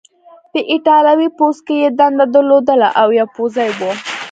په ایټالوي پوځ کې یې دنده درلودله او یو پوځي و.